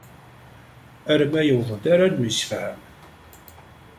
Arma yewweḍ-d ara nemsefham.